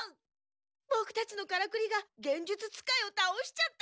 ボクたちのカラクリが幻術使いをたおしちゃった！